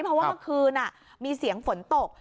เพราะว่าเมื่อคืนมีเสียงฝนตก